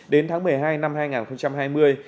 đến tháng một mươi hai năm hai nghìn hai mươi